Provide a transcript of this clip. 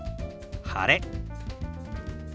「晴れ」。